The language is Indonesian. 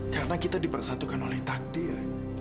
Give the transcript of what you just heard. karena kita dipersatukan oleh takdir